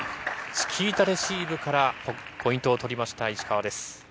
チキータレシーブからポイントを取りました石川。